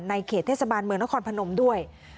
เขตเทศบาลเมืองนครพนมด้วย